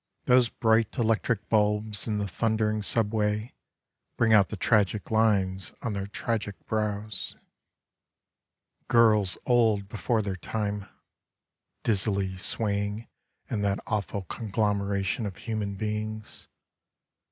Those bright electric bulbs in the thundering Subway Bring out the tragic lines on their tragic brows — Girls old before their time, dizzily swaying In that awful conglomeration of human beings.